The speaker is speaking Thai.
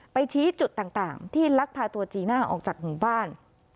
ชี้จุดต่างที่ลักพาตัวจีน่าออกจากหมู่บ้าน